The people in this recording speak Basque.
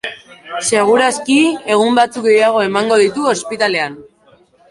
Seguru aski, egun batzuk gehiago emango ditu ospitalean.